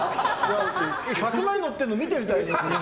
１００枚乗ってるの見てみたい。